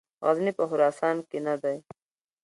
غزني په خراسان کې نه دی.